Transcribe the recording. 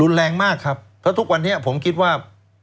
แรงมากครับเพราะทุกวันนี้ผมคิดว่า